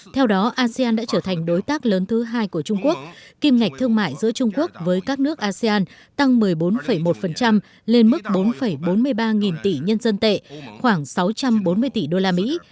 theo đó asean đã trở thành đối tác lớn thứ hai của trung quốc kim ngạch thương mại giữa trung quốc với các nước asean tăng một mươi bốn một lên mức bốn bốn mươi ba nghìn tỷ nhân dân tệ khoảng sáu trăm bốn mươi tỷ đô la mỹ